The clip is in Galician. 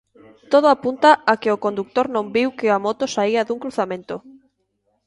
Todo apunta a que o condutor non viu que a moto saía dun cruzamento.